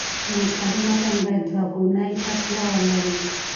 د مقالې متن باید دوه ګونی فاصله ولري.